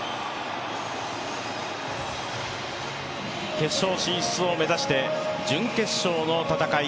決勝進出を目指して準決勝の戦い。